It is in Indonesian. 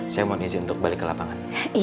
saya mohon izin untuk balik ke lapangan